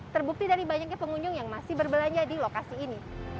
terbukti dari banyaknya pengunjung yang masih berbelanja di lokasi ini